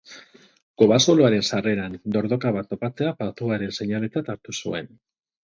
Kobazuloaren sarreran dordoka bat topatzea patuaren seinaletzat hartu zuen.